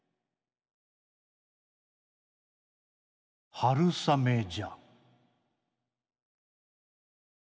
「春雨じゃ」。